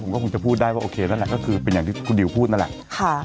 ก็คงจะพูดได้ว่าโอเคนั่นแหละก็คือเป็นอย่างที่คุณดิวพูดนั่นแหละ